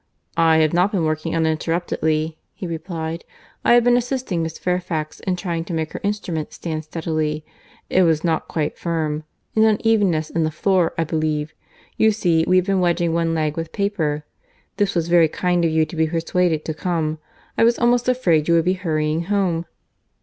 "I have not been working uninterruptedly," he replied, "I have been assisting Miss Fairfax in trying to make her instrument stand steadily, it was not quite firm; an unevenness in the floor, I believe. You see we have been wedging one leg with paper. This was very kind of you to be persuaded to come. I was almost afraid you would be hurrying home."